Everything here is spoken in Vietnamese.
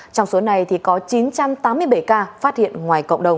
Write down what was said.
trong số này có chín trăm tám mươi bảy ca phát hiện ngoài cộng đồng